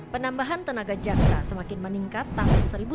penambahan tenaga jaksa semakin meningkat tahun seribu sembilan ratus enam puluh